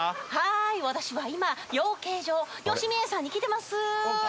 ・私は今養鶏場実園さんに来てます